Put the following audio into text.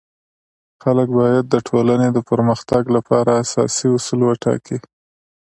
خلک باید د ټولنی د پرمختګ لپاره اساسي اصول وټاکي.